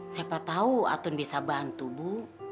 siapa tahu atun bisa bantu bu